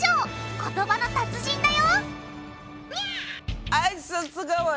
言葉の達人だよ！